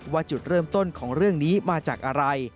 จุดเริ่มต้นของเรื่องนี้มาจากอะไร